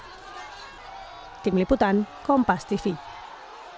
apa yang sebenarnya orang itu berbuat dengan bobi